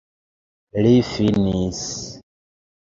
Li finis!